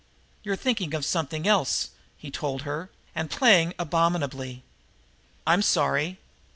"You're thinking of something else," he told her, "and playing abominably." "I'm sorry."